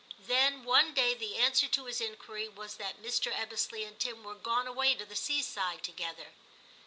Then one day the answer to his inquiry was that Mr. Ebbesley and Tim were gone away to the seaside together.